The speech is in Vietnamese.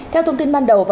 theo thông tin ban đầu